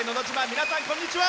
皆さん、こんにちは。